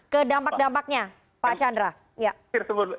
ke dampak dampaknya pak chandra